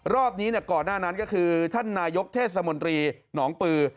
รอบนี้ก่อนหน้านั้นก็คือท่านนายกเทศมนตรีหนองปือ